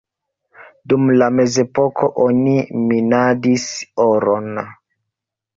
Dum la mezepoko oni minadis oron.